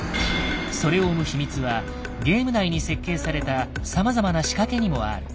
それを生む秘密はゲーム内に設計されたさまざまな仕掛けにもある。